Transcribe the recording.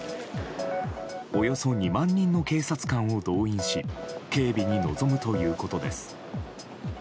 およそ２万人の警察官を動員し警備に臨むということです。